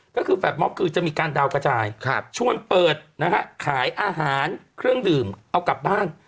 ก็คือแฟลตมอบคือจะมีการดาวกระจายชวนเปิดนะฮะขายอาหารเครื่องดื่มเอากลับบ้าน